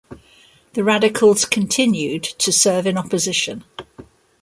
The Radicals continued to serve in opposition.